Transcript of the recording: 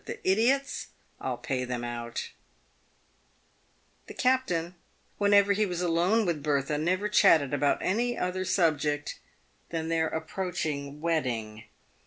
The idiots, I'll pay them out !" The captain, whenever he was alone with Bertha, never chatted about any other subject than their approaching wedding.